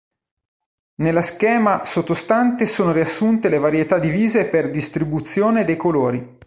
Nella schema sottostante sono riassunte le varietà divise per distribuzione dei colori.